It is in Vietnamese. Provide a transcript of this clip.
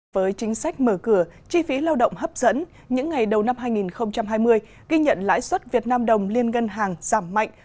với chính sách mở cửa chi phí lao động hấp dẫn những ngày đầu năm hai nghìn hai mươi ghi nhận lãi suất việt nam đồng liên ngân hàng giảm mạnh